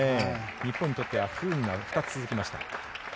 日本にとっては不運が２つ続きました。